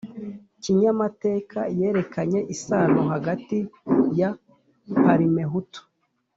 kinyamateka yerekanye isano hagati ya parmehutu